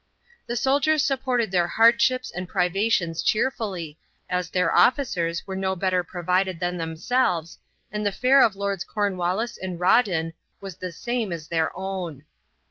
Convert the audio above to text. The soldiers supported their hardships and privations cheerfully, as their officers were no better provided than themselves and the fare of Lords Cornwallis and Rawdon was the same as their own.